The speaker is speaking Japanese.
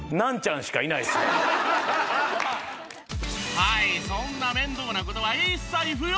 はいそんな面倒な事は一切不要！